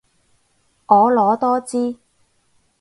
婀娜多姿